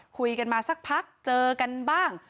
คุยกันมาสักพักเจอกันบ้าง